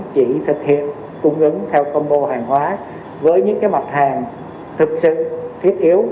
chỉ thực hiện cung ứng theo combo hàng hóa với những mặt hàng thực sự thiết yếu